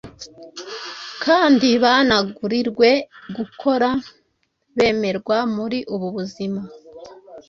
kandi banagurirwe gukora bemerwa muri ubu buzima